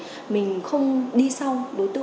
để mình không đi sau đối tượng